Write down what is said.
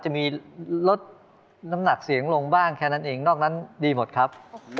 จะมีลดน้ำหนักเสียงลงบ้างแค่นั้นเองนอกนั้นดีหมดครับ